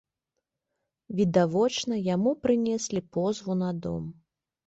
Відавочна, яму прынеслі позву на дом.